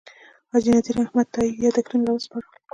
حاجي نذیر احمد تائي یاداښتونه راوسپارل.